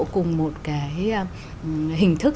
cùng một cái hình thức